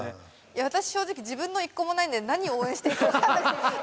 私正直自分の一個もないんで何を応援していいかわかんなくて。